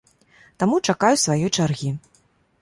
Таму чакаю сваёй чаргі.